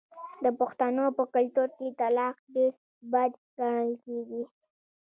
د پښتنو په کلتور کې طلاق ډیر بد ګڼل کیږي.